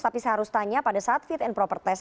tapi saya harus tanya pada saat fit and proper test